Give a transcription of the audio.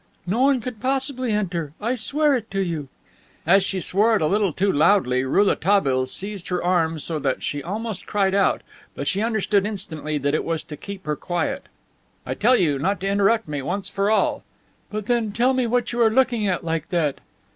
No one could possibly enter. I swear it to you." As she swore it a little too loudly, Rouletabille seized her arm so that she almost cried out, but she understood instantly that it was to keep her quiet. "I tell you not to interrupt me, once for all." "But, then, tell me what you are looking at like that."